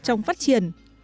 trong phát triển